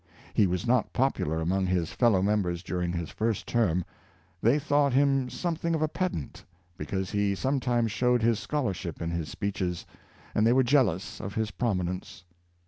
He was not popular among his fellow members during his first term. They thought him something of a pedant because he some times showed his scholarship in his speeches, and they were jealous of his prominence.